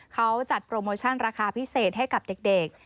เขาจัดโปรโมชั่นราคาพิเศษให้กับเด็ก